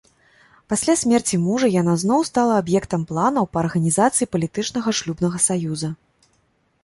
Пасля смерці мужа яна зноў стала аб'ектам планаў па арганізацыі палітычнага шлюбнага саюза.